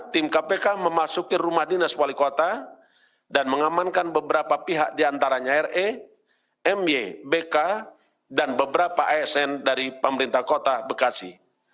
tim kkpk mengamankan beberapa pihak diantaranya re my bk dan beberapa asn dari pemerintah kota bekasi